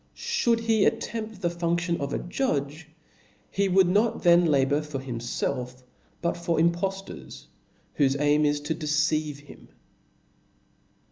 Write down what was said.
Should he. attempt the fundion of a judge^ he would not then labour for himfelf^ but for im*^ tK)ftors, whofe aim is to deceive him.